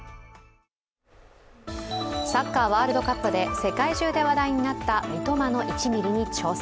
サッカーワールドカップで世界中で話題になった三笘の１ミリに挑戦。